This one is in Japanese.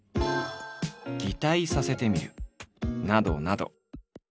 「擬態させてみる」などなど。